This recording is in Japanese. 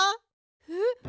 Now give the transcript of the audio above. えっ？